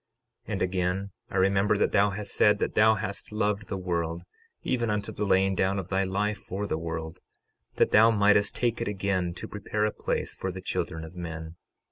12:33 And again, I remember that thou hast said that thou hast loved the world, even unto the laying down of thy life for the world, that thou mightest take it again to prepare a place for the children of men.